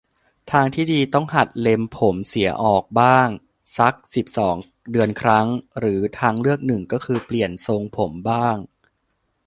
ทางที่ดีต้องหัดเล็มผมเสียออกบ้าง สัก สิบสอง เดือนครั้ง หรือทางเลือกหนึ่งก็คือเปลี่ยนทรงผมบ้าง